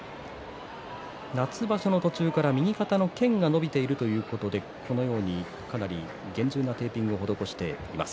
夏場所の途中から右肩のけんが伸びているということで厳重なテーピングを施しています。